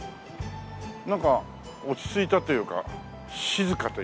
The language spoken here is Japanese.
なんか落ち着いたというか静かというか。